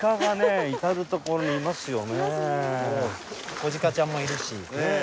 子鹿ちゃんもいるし。